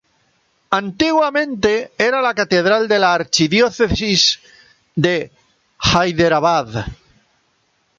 Antiguamente, era la catedral de la archidiócesis de Hyderabad.